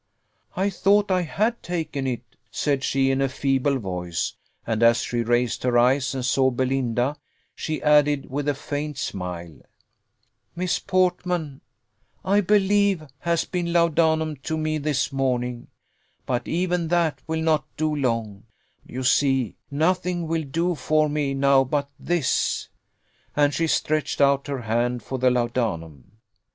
"I thought I had taken it," said she in a feeble voice; and as she raised her eyes and saw Belinda, she added, with a faint smile, "Miss Portman, I believe, has been laudanum to me this morning: but even that will not do long, you see; nothing will do for me now but this," and she stretched out her hand for the laudanum.